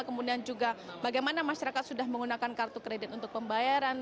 kemudian juga bagaimana masyarakat sudah menggunakan kartu kredit untuk pembayaran